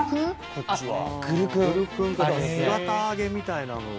こっちは姿揚げみたいなのとか。